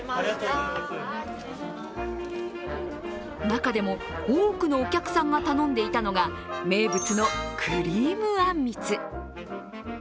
中でも多くのお客さんが頼んでいたのが、名物のクリームあんみつ。